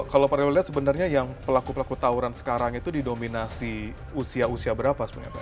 kalau pak rewel lihat sebenarnya yang pelaku pelaku tawuran sekarang itu didominasi usia usia berapa sebenarnya pak